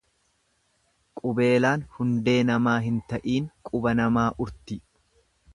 Qubeelaan hundee namaa hin ta'iin quba namaa urti.